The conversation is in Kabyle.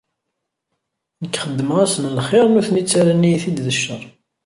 Nekk xeddmeɣ-asen lxir, nutni ttarran-iyi-t-id d ccer.